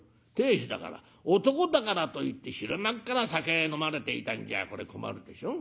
亭主だから男だからといって昼間っから酒飲まれていたんじゃこれ困るでしょ。